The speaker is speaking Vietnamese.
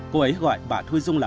cô ấy gọi bà thu dung là